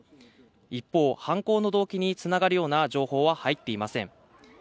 一方、犯行の動機につながるような情報は入っていません。